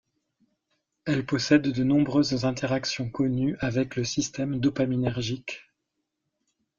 Elle possède de nombreuses interactions connues avec le système dopaminergique.